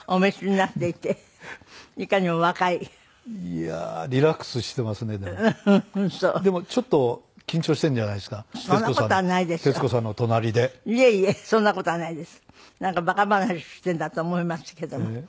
なんかバカ話をしてるんだと思いますけども。